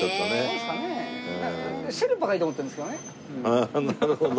ああなるほど。